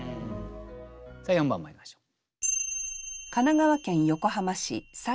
さあ４番まいりましょう。